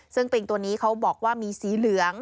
ซึ่งปริงตัวนี้เขาบอกว่ามีสีเหลือง